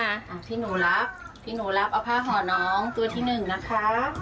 อ่ะที่หนูรับที่หนูรับเอาผ้าห่อน้องตัวที่หนึ่งนะคะ